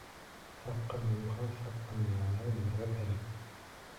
Саҡ ҡына юха, саҡ ҡына ялағай булырға кәрәк.